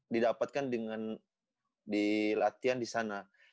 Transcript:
didapatkan dengan di latihan di sana